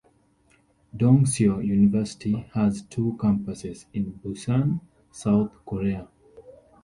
Dongseo University has two campuses in Busan, South Korea.